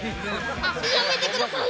やめてください。